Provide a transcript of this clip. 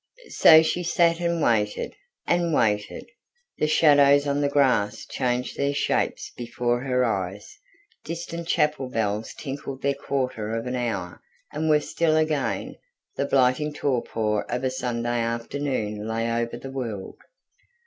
So she sat and waited ... and waited. The shadows on the grass changed their shapes before her eyes; distant chapel bells tinkled their quarter of an hour and were still again; the blighting torpor of a Sunday afternoon lay over the world.